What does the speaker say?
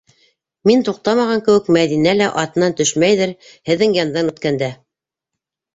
Мин туҡтамаған кеүек, Мәҙинә лә атынан төшмәйҙер һеҙҙең яндан үткәндә.